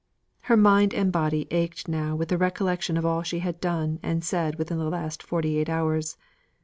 Her mind and body ached now with the recollection of all she had done and said within the last forty eight hours.